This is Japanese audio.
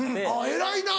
偉いな。